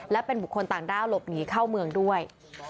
และเป็นบุคคลต่างด้าวหลบหนีเข้าเมืองด้วย